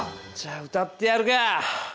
じゃあ歌ってやるか！